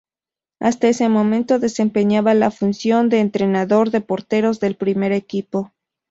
Hasta ese momento desempeñaba la función de entrenador de porteros del primer equipo.